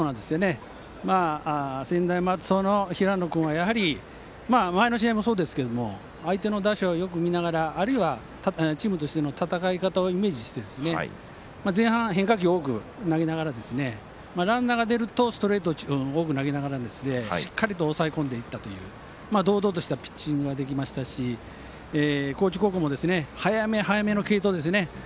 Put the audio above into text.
専大松戸の平野君は前の試合もそうですけど相手の打者をよく見ながらあるいはチームとしての戦い方をイメージして、前半は変化球を投げながら、ランナーが出るとストレートを多く投げながらしっかりと抑え込んでいったという堂々としたピッチングができましたし高知高校も早め早めの継投ですね。